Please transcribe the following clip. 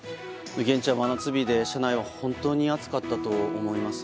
現地は真夏日で車内は本当に暑かったと思います。